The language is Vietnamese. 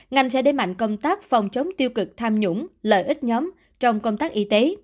ngành sẽ đẩy mạnh công tác phòng chống tiêu cực tham nhũng lợi ích nhóm trong công tác y tế